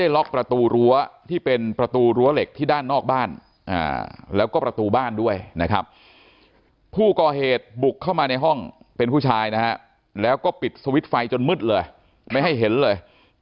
แล้วก็ปิดสวิตช์ไฟจนมืดเลยไม่ให้เห็นเลย